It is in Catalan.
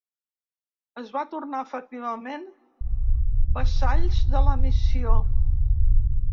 Es van tornar efectivament vassalls de la missió.